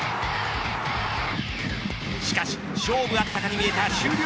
しかし勝負あったかに見えた終了